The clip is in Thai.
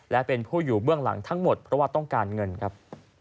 และเป็นผู้อยู่เบื้องหลังทั้งหมดเพราะว่าต้องการเงินครับ